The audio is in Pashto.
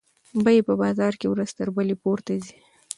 بیې په بازار کې ورځ تر بلې پورته ځي.